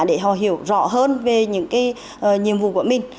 để họ hiểu rõ hơn về những cái nhiệm vụ của mình